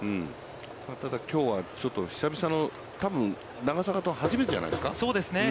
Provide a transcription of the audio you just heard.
ただ、きょうはちょっと久々の、多分長坂と初めてじゃないですか。